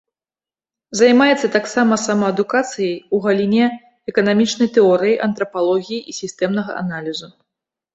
Займаецца таксама самаадукацыяй у галіне эканамічнай тэорыі, антрапалогіі і сістэмнага аналізу.